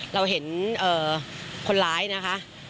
เราเห็นคนร้ายนะคะ